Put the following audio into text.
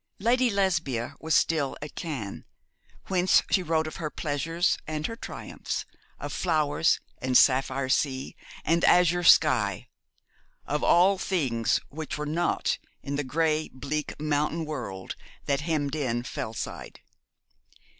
Lady Lesbia was still at Cannes, whence she wrote of her pleasures and her triumphs, of flowers and sapphire sea, and azure sky, of all things which were not in the grey bleak mountain world that hemmed in Fellside.